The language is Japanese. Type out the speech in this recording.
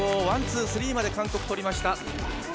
ワン、ツー、スリーまで韓国、取りました。